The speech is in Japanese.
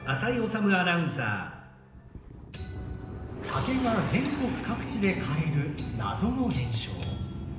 竹が全国各地で枯れる謎の現象。